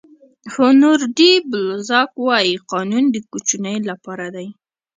هونور ډي بلزاک وایي قانون د کوچنیو لپاره دی.